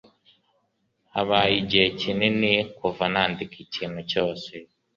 Habaye igihe kinini kuva nandika ikintu cyose.